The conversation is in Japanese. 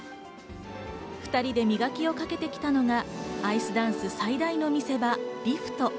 ２人で磨きをかけてきたのがアイスダンス最大の見せ場、リフト。